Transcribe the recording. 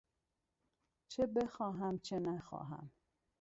چه بخواهم چه نخواهم